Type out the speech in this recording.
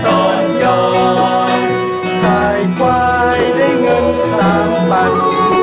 ขายฝ่ายได้เงินสามปัน